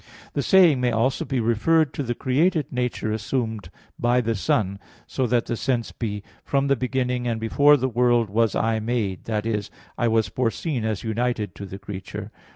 The saying may also be referred to the created nature assumed by the Son, so that the sense be, "From the beginning and before the world was I made" that is, I was foreseen as united to the creature.